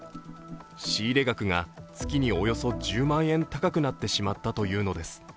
仕入れ額が月におよそ１０万円高くなってしまったというのです。